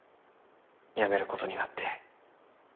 辞めることになって。